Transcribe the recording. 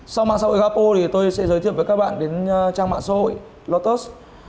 sau mạng xã hội gapo thì tôi sẽ giới thiệu với các bạn đến trang mạng xã hội lotus